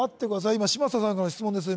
今嶋佐さんからの質問です